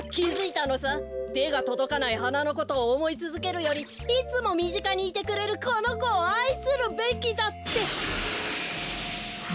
てがとどかないはなのことをおもいつづけるよりいつもみぢかにいてくれるこのこをあいするべきだって！